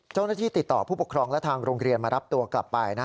เจ้าหน้าที่ติดต่อผู้ปกครองและทางโรงเรียนมารับตัวกลับไป